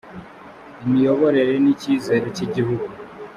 imiyoborere n icyizere cyigihugu